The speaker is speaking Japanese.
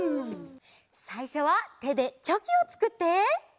さいしょはてでチョキをつくって！